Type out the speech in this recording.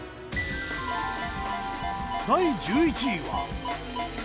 第１１位は。